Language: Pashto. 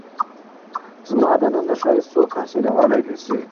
زما دننه ښایست څوک حسولای نه شي